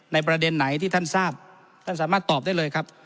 ประเด็นไหนที่ท่านทราบท่านสามารถตอบได้เลยครับ